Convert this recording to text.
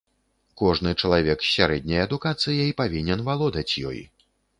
Кожны чалавек з сярэдняй адукацыяй павінен валодаць ёй.